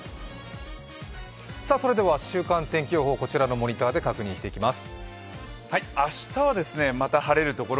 それでは週間天気予報、こちらのモニターで確認していきます。